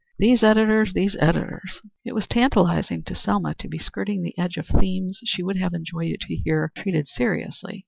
These editors, these editors!" It was tantalizing to Selma to be skirting the edge of themes she would have enjoyed to hear treated seriously.